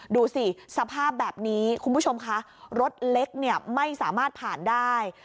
ดูสิสภาพแบบนี้คุณผู้ชมคะรถเล็กเนี่ยไม่สามารถผ่านได้